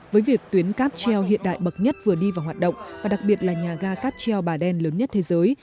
với việc tuyến cáp treo hiện đại bậc nhất vừa đi vào hoạt động và đặc biệt là nhà ga cáp treo bà đen lớn nhất thế giới